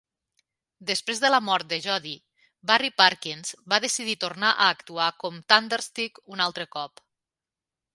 Després de la mort de Jodee, Barry Purkis va decidir tornar a actuar com Thunderstick un altre cop.